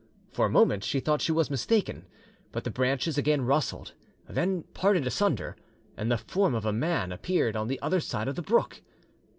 For a moment she thought she was mistaken, but the branches again rustled, then parted asunder, and the form of a man appeared on the other side of the brook.